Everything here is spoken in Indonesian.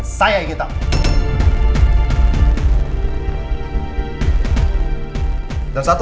masa lalu andien adalah mantan istri saya